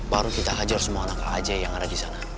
baru kita hajar semua anak aja yang ada di sana